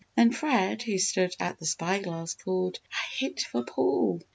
Then, Fred, who stood at the spy glass called, "A hit for Paul!"